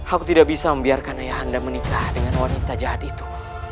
aku tidak bisa membiarkan ayah anda menikah dengan wanita jahat itu